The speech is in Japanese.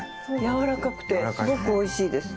軟らかくてすごくおいしいです。